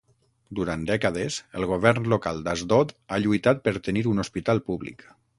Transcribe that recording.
Durant dècades el govern local d'Asdod ha lluitat per tenir un hospital públic.